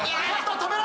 止めろ！